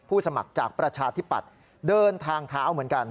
สมัครจากประชาธิปัตย์เดินทางเท้าเหมือนกัน